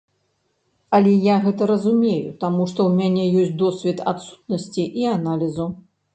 Але я гэта разумею таму, што ў мяне ёсць досвед адсутнасці і аналізу.